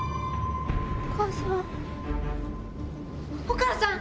お母さん！